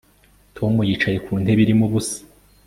Tom yicaye ku ntebe irimo ubusa